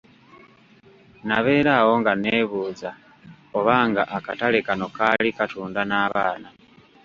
Nabeera awo nga neebuuza oba nga akatale kano kaali katunda n'abaana.